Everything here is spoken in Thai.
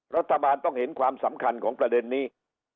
รัฐบาลต้องเห็นความสำคัญของประเด็นนี้